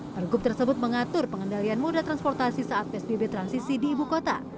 pergub tersebut mengatur pengendalian moda transportasi saat psbb transisi di ibu kota